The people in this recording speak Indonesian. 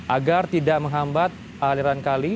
agar tidak menghambat aliran kali